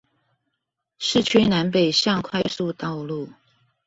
市區南北向快速道路